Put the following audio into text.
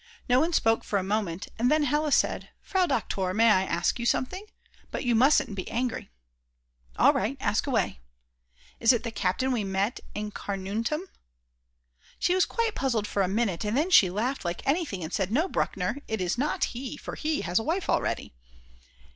No one spoke for a moment, and then Hella said: "Frau Doktor, may I ask you something? But you mustn't be angry!" "All right, ask away!" "Is it the captain we met in Carnuntum?" She was quite puzzled for a minute, and then she laughed like anything and said, "No, Bruckner, it is not he, for he has a wife already."